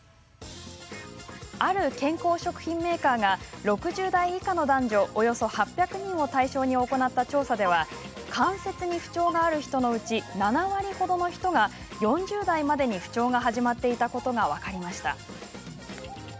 ある健康食品メーカーが６０代以下の男女およそ８００人を対象に行った調査では関節に不調がある人のうち７割ほどの人が４０代までに不調が始まっていたことが分かりました。